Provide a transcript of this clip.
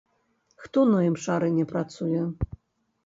Хто на імшарыне працуе?